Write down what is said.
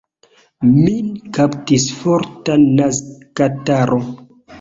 Min kaptis forta nazkataro.